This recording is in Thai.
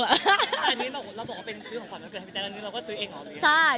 แต่อันนี้เราบอกว่าเป็นซื้อของขวัญมันเกิดแฮปปีแต่ละนี้เราก็ซื้อเองหรอพี่